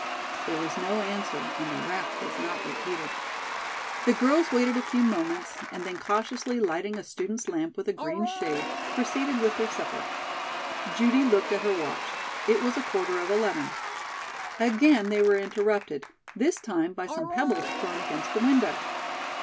There was no answer and the rap was not repeated. The girls waited a few moments, and then cautiously lighting a student's lamp with a green shade, proceeded with their supper. Judy looked at her watch. It was a quarter of eleven. Again they were interrupted. This time by some pebbles thrown against the window.